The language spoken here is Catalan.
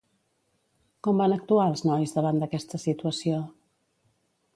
Com van actuar els nois davant d'aquesta situació?